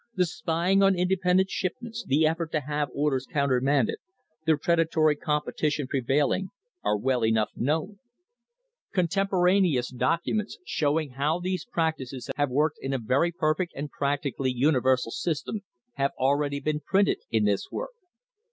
The spying on independent ship ments, the effort to have orders countermanded, the predatory competition prevailing, are well enough known. Contempora neous documents, showing how these practices have been worked into a very perfect and practically universal system, have already been printed in this work.